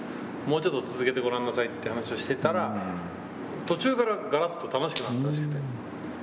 もうちょっと続けてごらんなさいって話をしてたら、途中から、がらっと楽しくなったらしくて。